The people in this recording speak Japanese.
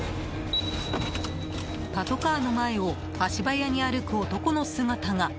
パトカーの前を足早に歩く男の姿が。